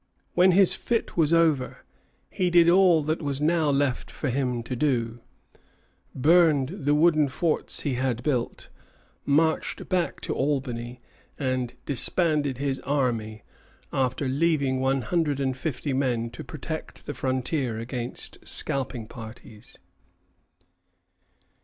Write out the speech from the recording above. " When his fit was over, he did all that was now left for him to do, burned the wooden forts he had built, marched back to Albany, and disbanded his army, after leaving one hundred and fifty men to protect the frontier against scalping parties.